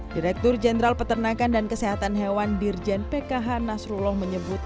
direktur jenderal peternakan dan kesehatan hewan dirjen pkh nasrullah menyebut